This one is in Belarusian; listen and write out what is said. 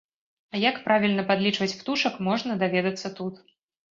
А як правільна падлічваць птушак можна даведацца тут.